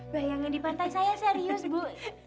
bayangin di pantai saya serius bu